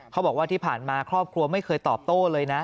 เขาบอกว่าที่ผ่านมาครอบครัวไม่เคยตอบโต้เลยนะ